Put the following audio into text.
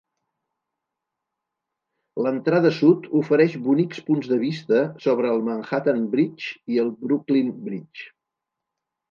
L'entrada sud ofereix bonics punts de vista sobre el Manhattan Bridge i el Brooklyn Bridge.